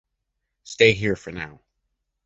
Stay here for now.